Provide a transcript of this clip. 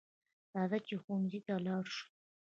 راځه چې ښوونځي ته لاړ شو